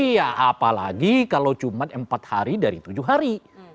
iya apalagi kalau cuma empat hari dari tujuh hari